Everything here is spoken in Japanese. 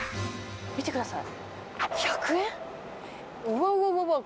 見てください。